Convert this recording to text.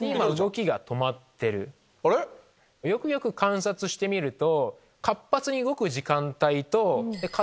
よくよく観察してみると。